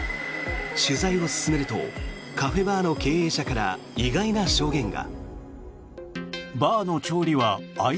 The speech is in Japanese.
取材を進めるとカフェバーの経営者から意外な証言が。